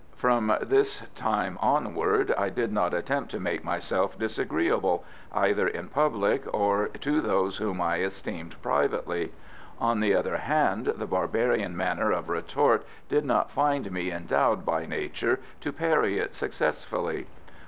From this time onward I did not attempt to make myself disagreeable either in public or to those whom I esteemed privately. On the other hand, the barbarian manner of retort did not find me endowed by nature to parry it successfully.